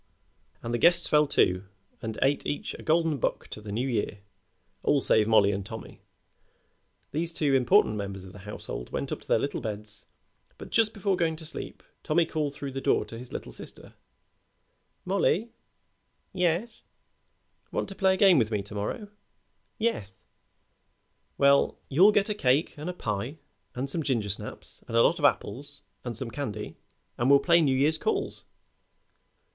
And the guests fell to and ate each a golden buck to the New Year all save Mollie and Tommy. These two important members of the household went up to their little beds, but just before going to sleep Tommy called through the door to his little sister: "Mollie!" "Yeth!" "Want to play a game with me to morrow?" "Yeth!" "Well, you get a cake and a pie and some gingersnaps and a lot of apples and some candy and we'll play New Year's calls."